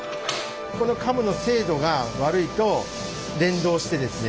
このカムの精度が悪いと連動してですね